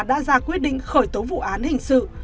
đã ra quyết định khởi tố vụ án hình sự